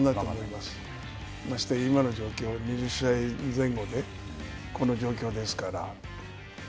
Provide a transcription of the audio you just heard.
まして今の状況、２０試合前後でこの状況ですから。